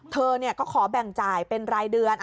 เธอก็ขอแบ่งจ่ายเป็นรายเดือน